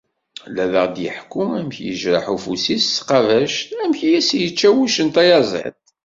La aɣ-d-iḥekku amek i yejreḥ afus-is s tqabact, amek i as-yečča wuccen tayaziḍt.